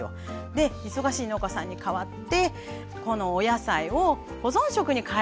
で忙しい農家さんに代わってこのお野菜を保存食に変える活動というのをしてます。